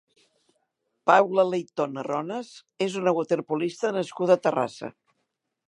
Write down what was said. Paula Leitón Arrones és una waterpolista nascuda a Terrassa.